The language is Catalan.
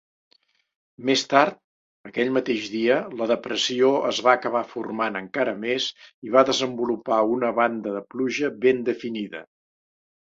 Més tard, aquell mateix dia, la depressió es va acabar formant encara més i va desenvolupar una banda de pluja ben definida.